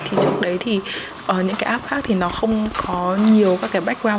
thì trước đấy thì những cái app khác thì nó không có nhiều các cái background